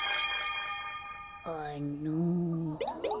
あの。